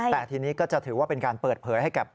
แต่ทีนี้ก็จะถือว่าเป็นการเปิดเผยให้กับ